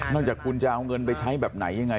จากคุณจะเอาเงินไปใช้แบบไหนยังไง